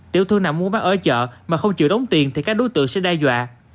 tiểu thương nằm mua bán ở chợ mà không chịu đóng tiền thì các đối tượng sẽ đe dọa